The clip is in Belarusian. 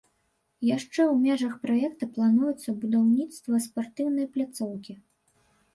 Яшчэ ў межах праекта плануецца будаўніцтва спартыўнай пляцоўкі.